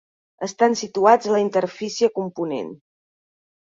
Estan situats a la interfície Component.